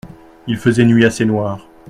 Il faisait nuit assez noire.